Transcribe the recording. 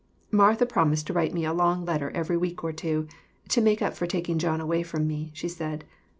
Martha promised to write me a long letter every week or two to make up for taking John away from me, she said.